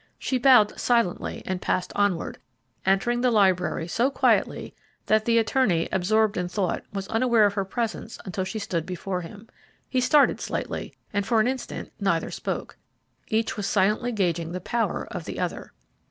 She bowed silently and passed onward, entering the library so quietly that the attorney, absorbed in thought, was unaware of her presence until she stood before him. He started slightly, and for an instant neither spoke. Each was silently gauging the power of the other.